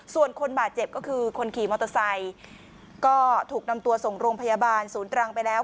ส่วนคนบาดเจ็บก็คือคนขี่มอเตอร์ไซค์ก็ถูกนำตัวส่งโรงพยาบาลศูนย์ตรังไปแล้ว